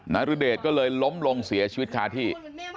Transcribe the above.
นรุเดชก็เลยล้มลงเสียชีวิตคาที่